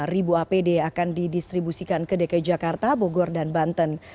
lima ribu apd akan didistribusikan ke dki jakarta bogor dan banten